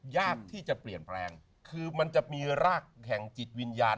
ยากที่จะเปลี่ยนแปลงคือมันจะมีรากแห่งจิตวิญญาณ